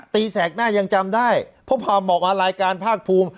แสกหน้ายังจำได้เพราะพาบอกมารายการภาคภูมิ